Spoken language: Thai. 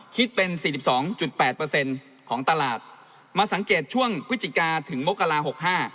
คิดเป็นสี่สิบสองจุดแปดเปอร์เซ็นต์ของตลาดมาสังเกตช่วงพฤศจิกาถึงมกราหกห้า